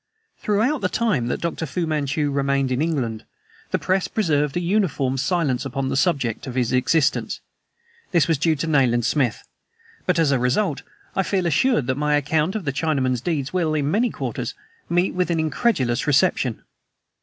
Throughout the time that Dr. Fu Manchu remained in England, the press preserved a uniform silence upon the subject of his existence. This was due to Nayland Smith. But, as a result, I feel assured that my account of the Chinaman's deeds will, in many quarters, meet with an incredulous reception.